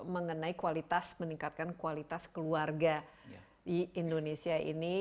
mengenai kualitas meningkatkan kualitas keluarga di indonesia ini